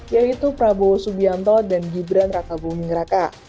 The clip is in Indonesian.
yaitu prabowo subianto dan gibran raka buming raka